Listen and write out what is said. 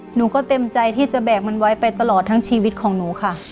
หนูก็เต็มใจที่จะแบกมันไว้ไปตลอดทั้งชีวิตของหนูค่ะ